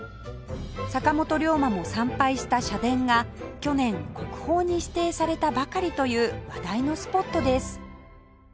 坂本龍馬も参拝した社殿が去年国宝に指定されたばかりという話題のスポットです